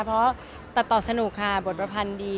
เพราะตัดต่อสนุกค่ะบทประพันธ์ดี